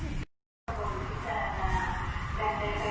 ขอบคุณครับนะครับเซลล์